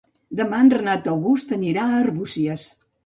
Demà en Renat August anirà a Arbúcies.